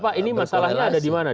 pak ini masalahnya ada di mana